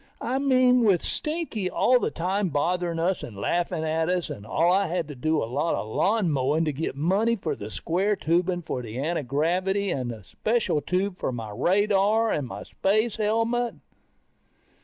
I mean with Stinky all the time bothering us and laughing at us. And I had to do a lot of lawn mowing to get money for the square tubing for the antigravity and the special tube for the radar, and my space helmet.